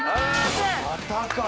またか。